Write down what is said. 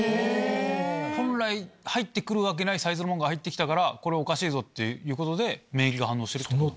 本来入って来るわけないサイズのものが入って来たからおかしいぞ！っていうことで免疫が反応してるってこと。